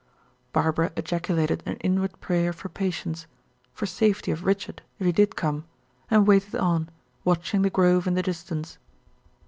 Barbara ejaculated an inward prayer for patience for safety of Richard, if he did come, and waited on, watching the grove in the distance.